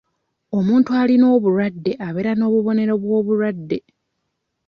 Omuntu alina obulwadde abeera n'obubonero bw'obulwadde.